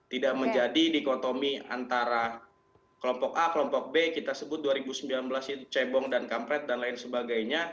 tidak menjadi dikotomi antara kelompok a kelompok b kita sebut dua ribu sembilan belas itu cebong dan kampret dan lain sebagainya